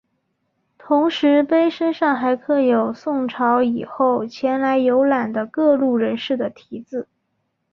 同时碑身上还刻有宋朝以后前来游览的各路人士的题字。